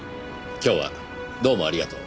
今日はどうもありがとう。